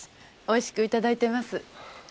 おいしくいただいてます。